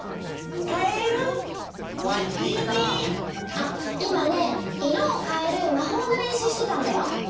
あっいまねいろをかえるまほうのれんしゅうしてたんだよ。